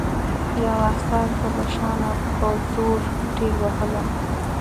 یوه افسر زه له شا نه په زور ټېل وهلم